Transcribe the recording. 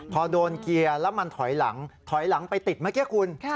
พอโดนเกียร์แล้วมันถอยหลังถอยหลังไปติดเมื่อกี้คุณ